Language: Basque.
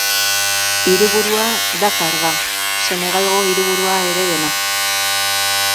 Hiriburua Dakar da, Senegalgo hiriburua ere dena.